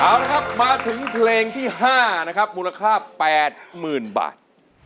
เอาละครับมาถึงเพลงที่๕นะครับมูลค่า๘๐๐๐บาท